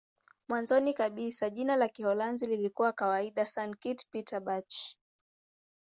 Mwanzoni kabisa jina la Kiholanzi lilikuwa kawaida "Sankt-Pieterburch".